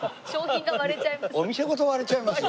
お店ごと割れちゃいますよ。